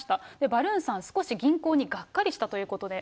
バルーンさん、少し銀行にがっかりしたということで。